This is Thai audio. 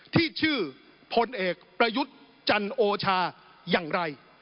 ที่ชื่อพลเอกประยุทธ์จันโอชาอย่างไร